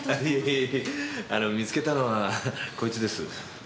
いえいえ見つけたのはこいつです。